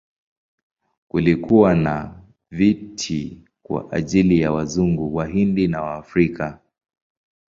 Kulikuwa na viti kwa ajili ya Wazungu, Wahindi na Waafrika.